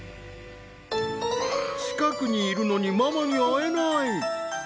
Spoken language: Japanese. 近くにいるのにママに会えない。